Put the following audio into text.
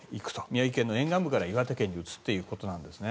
宮城県の沿岸部から岩手県に移っていくと。